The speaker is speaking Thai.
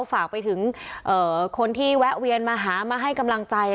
ฝากไปถึงคนที่แวะเวียนมาหามาให้กำลังใจ